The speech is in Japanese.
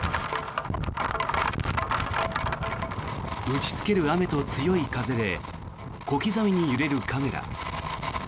打ちつける雨と強い風で小刻みに揺れるカメラ。